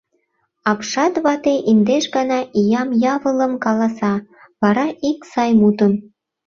Апшат вате индеш гана иям-явылым каласа, вара ик сай мутым.